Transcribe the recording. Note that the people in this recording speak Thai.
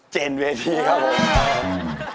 เจนเวทีครับผม